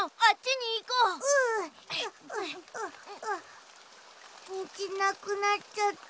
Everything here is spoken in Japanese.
にじなくなっちゃった。